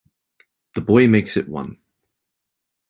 The boy makes it one.